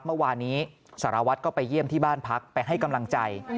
เมื่อวานนี้สารวัตรก็ไปเยี่ยมที่บ้านพักไปให้กำลังใจ